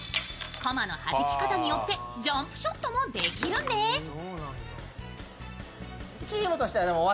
駒の弾き方によって、ジャンプショットもできるんです。